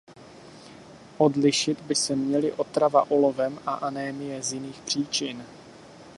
Odlišit by se měly otrava olovem a anémie z jiných příčin.